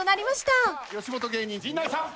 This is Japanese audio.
・「さあ吉本芸人陣内さん」